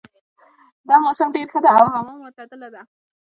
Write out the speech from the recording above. دا موسم ډېر ښه ده او هوا معتدله ده